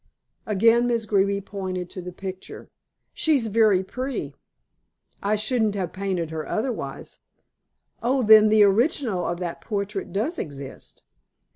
Again Miss Greeby pointed to the picture. "She's very pretty." "I shouldn't have painted her otherwise." "Oh, then the original of that portrait does exist?"